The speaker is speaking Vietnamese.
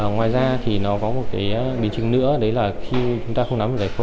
ngoài ra thì nó có một cái biến chứng nữa đấy là khi chúng ta không nắm được giải phẫu